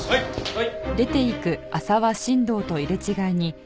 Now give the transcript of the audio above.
はい！